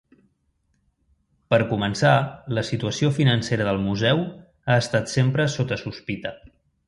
Per començar, la situació financera del museu ha estat sempre sota sospita.